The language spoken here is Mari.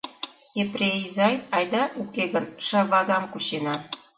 — Епрем изай, айда, уке гын, шывагам кучена.